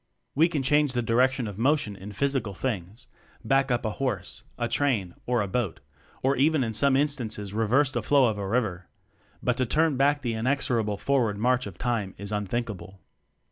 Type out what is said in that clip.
We can change the direction of mo tion in physical things back up a horse, a train, or a boat, or even in some instances reverse the flow of a river; but to turn back the inexorable forward march of Time is unthinkable.